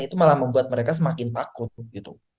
itu malah membuat mereka semakin takut gitu